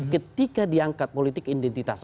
ketika diangkat politik identitas